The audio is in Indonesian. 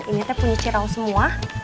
ini teh punya cirau semua